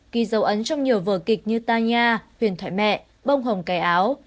ghi dấu ấn trong nhiều vở kịch như ta nha huyền thoại mẹ bông hồng cài áo